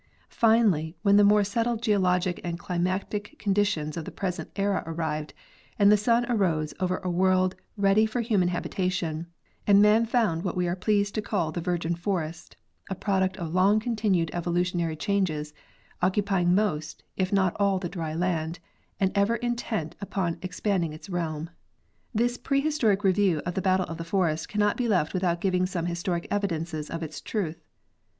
: Finally, when the more settled geologic and climatic condi tions of the present era arrived and the sun arose over a world ready for human habitation, man found what we are pleased to call the virgin forest—a product of long continued evolutionary changes—occupying most, 1f not all the dry land, and ever intent upon extending its realm. This prehistoric review of the battle of the forest cannot be left without giving some historic evidences of its truth.